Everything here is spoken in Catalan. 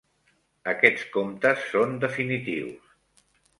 Aquests comptes són definitius.